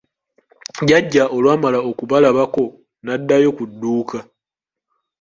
Jjjajja olwamala okubalabako, n'addayo ku dduuka.